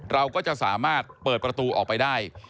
เราก็จะสามารถเปิดประตูออกไปได้